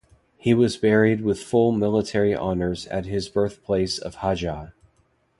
He was buried with full military honors at his birth place of Hajjah.